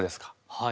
はい。